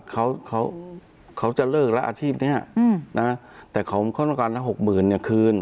เขาเขาเขาจะเลิกแล้วอาชีพเนี้ยอืมนะแต่เขาเขาต้องการนะหกหมื่นเนี่ยคืน